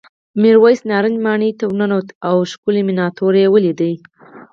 میرويس نارنج ماڼۍ ته ورننوت او ښکلې مېناتوري یې ولیدل.